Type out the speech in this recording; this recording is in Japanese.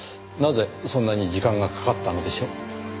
なぜそんなに時間がかかったのでしょう？